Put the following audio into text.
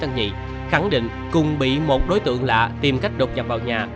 ở hai thôn mỹ tân nhất và mỹ tân nhị khẳng định cùng bị một đối tượng lạ tìm cách đột nhập vào nhà